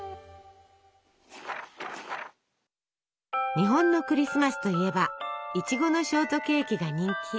日本のクリスマスといえばいちごのショートケーキが人気。